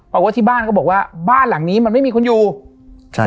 เพราะว่าที่บ้านก็บอกว่าบ้านหลังนี้มันไม่มีคนอยู่ใช่